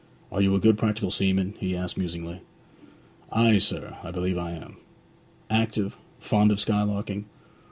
'Are you a good practical seaman?' he asked musingly. 'Ay, sir; I believe I am.' 'Active? Fond of skylarking?'